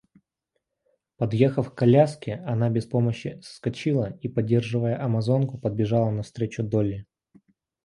Подъехав к коляске, она без помощи соскочила и, поддерживая амазонку, подбежала навстречу Долли.